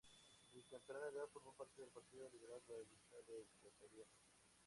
Desde temprana edad formó parte del Partido Liberal Radical Ecuatoriano.